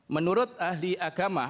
menurut ahli agama